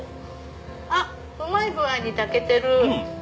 あっうまい具合に炊けてる。